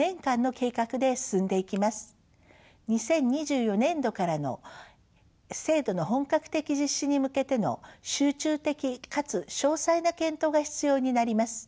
２０２４年度からの制度の本格的実施に向けての集中的かつ詳細な検討が必要になります。